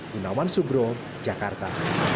gunawan subro jakarta